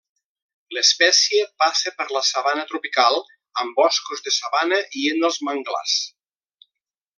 L'espècie passa per la sabana tropical, amb boscos de sabana i en els manglars.